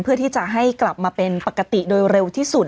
เพื่อที่จะให้กลับมาเป็นปกติโดยเร็วที่สุด